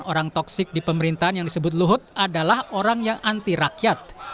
orang toksik di pemerintahan yang disebut luhut adalah orang yang anti rakyat